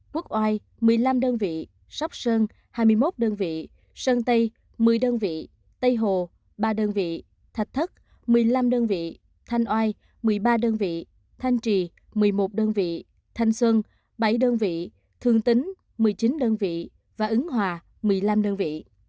quốc oai một mươi năm đơn vị sóc sơn hai mươi một đơn vị sơn tây một mươi đơn vị tây hồ ba đơn vị thạch thất một mươi năm đơn vị thanh oai một mươi ba đơn vị thanh trì một mươi một đơn vị thanh xuân bảy đơn vị thương tính một mươi chín đơn vị và ứng hòa một mươi năm đơn vị